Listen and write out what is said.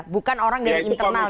bukan orang dari internal